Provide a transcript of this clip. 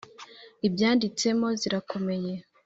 ibyanditsemo zirakomeye